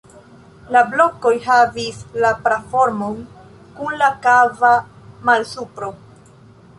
La blokoj havis la pra-formon, kun la kava malsupro.